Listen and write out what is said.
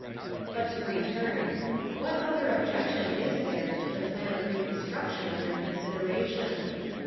But to return : what other objection is there to the plan of reconstruction under consideration?